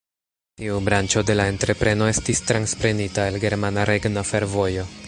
Tiu branĉo de la entrepreno estis transprenita el "Germana Regna Fervojo".